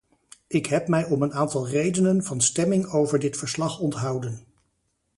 Ik heb mij om een aantal redenen van stemming over dit verslag onthouden.